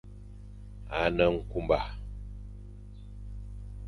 A ne nkunba.